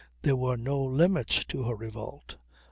There were no limits to her revolt.